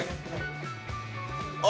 あ！